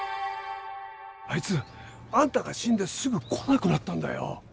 あいつあんたが死んですぐ来なくなったんだよ。